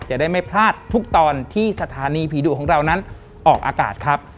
จะได้ไม่พลาดทุกตอนที่สถานีผีดุของเรานั้นออกอากาศครับ